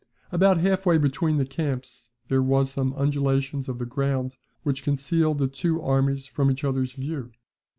About half way between the camps there were some undulations of the ground, which concealed the two armies from each other's view.